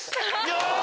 よし！